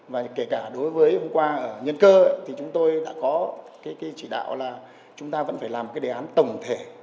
và kể cả đối với hôm qua ở nhân cơ chúng tôi đã có chỉ đạo là chúng ta vẫn phải làm đề án tổng thể